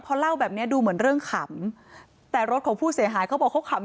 พอเล่าแบบเนี้ยดูเหมือนเรื่องขำแต่รถของผู้เสียหายเขาบอกเขาขำ